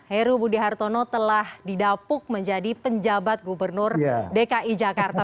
heru budi hartono telah didapuk menjadi penjabat gubernur dki jakarta